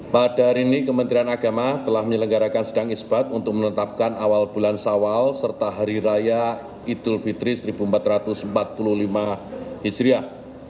pada hari ini kementerian agama telah menyelenggarakan sedang isbat untuk menetapkan awal bulan sawal serta hari raya idul fitri seribu empat ratus empat puluh lima hijriah